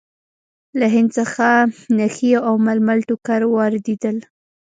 له هند څخه نخي او ململ ټوکر واردېدل.